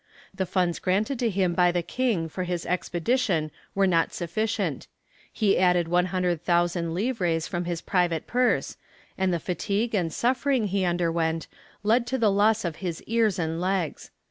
The funds granted to him by the king for his expedition were not sufficient; he added 100,000 livres from his private purse; and the fatigue and suffering he underwent led to the loss of his ears and legs.